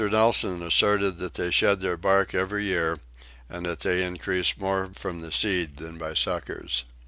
Nelson asserted that they shed their bark every year, and that they increase more from the seed than by suckers.